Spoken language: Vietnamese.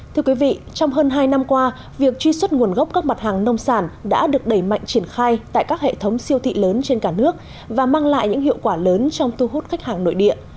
thưa quý vị trong hơn hai năm qua việc truy xuất nguồn gốc các mặt hàng nông sản đã được đẩy mạnh triển khai tại các hệ thống siêu thị lớn trên cả nước và mang lại những hiệu quả lớn trong thu hút khách hàng nội địa